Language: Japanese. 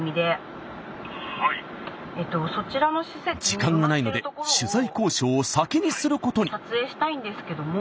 時間がないので取材交渉を先にすることに。